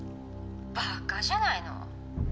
バッカじゃないの？